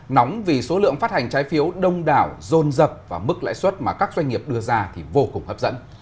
nóng vì số lượng phát hành trái phiếu đông đảo rôn rập và mức lãi suất mà các doanh nghiệp đưa ra thì vô cùng hấp dẫn